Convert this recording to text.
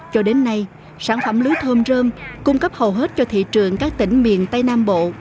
cho đến nay sản phẩm lúa thơm rơm cung cấp hầu hết cho thị trường các tỉnh miền tây nam bộ